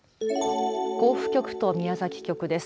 甲府局と宮崎局です。